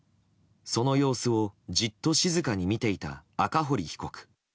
その様子をじっと静かに見ていた赤堀被告。